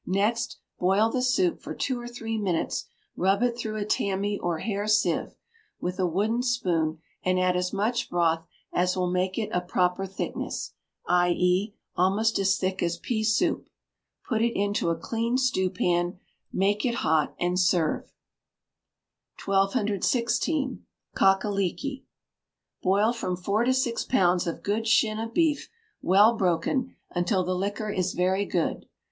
Next boil the soup for two or three minutes; rub it through a tammy or hair sieve, with a wooden spoon, and add as much broth as will make it a proper thickness, i.e., almost as thick as pea soup; put it into a clean stewpan, make it hot and serve. 1216. Cock a Leekie. Boil from four to six pounds of good shin of beef well broken, until the liquor is very good.